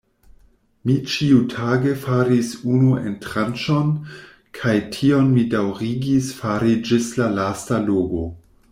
Mi ĉiutage faris unu entranĉon, kaj tion mi daŭrigis fari ĝis la lasta logo.